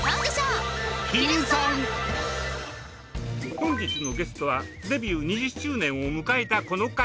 本日のゲストはデビュー２０周年を迎えたこの方。